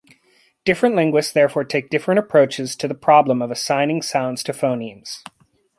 Different linguists therefore take different approaches to the problem of assigning sounds to phonemes.